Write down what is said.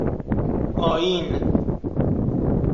آئین